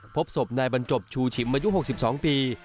พบศพนายบรรจบชูชิมอายุ๖๒ปี